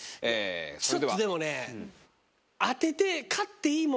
ちょっとでもね当てて。